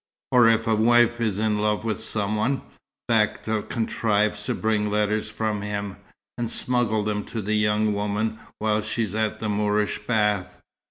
Or if a wife is in love with some one, Bakta contrives to bring letters from him, and smuggle them to the young woman while she's at the Moorish bath.